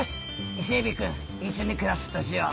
イセエビくん一緒に暮らすとしよう」。